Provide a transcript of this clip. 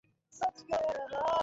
ভিডিওটা শীঘ্রই পৃথিবীর সামনে আসবে।